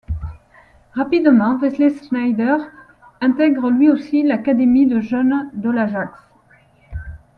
Rapidement, Wesley Sneijder intègre lui aussi l'académie de jeunes de l’Ajax.